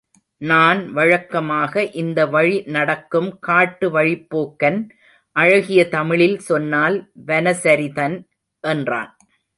நான் வழக்கமாக இந்த வழி நடக்கும் காட்டு வழிப்போக்கன் அழகிய தமிழில் சொன்னால் வனசரிதன் என்றான்.